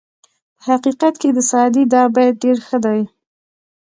په حقیقت کې د سعدي دا بیت ډېر ښه دی.